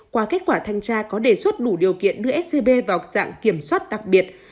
qua kết quả thanh tra có đề xuất đủ điều kiện đưa scb vào dạng kiểm soát đặc biệt